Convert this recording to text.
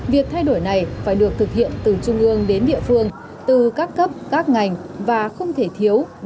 việc thay đổi này phải được thực hiện từ trung ương đến địa phương từ các cấp các ngành và không thể thiếu